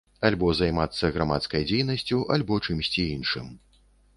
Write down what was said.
Альбо займацца грамадскай дзейнасцю, альбо чымсьці іншым.